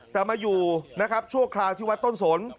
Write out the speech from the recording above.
จะมาอยู่ช่วงคราวที่วัดต้นศน